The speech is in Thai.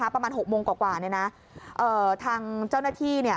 ประมาณ๖โมงกว่าทางเจ้าหน้าที่